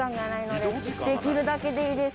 できるだけでいいです。